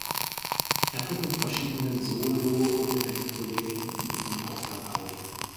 Er tritt mit verschiedenen Solo- und Bandprojekten im In- und Ausland auf.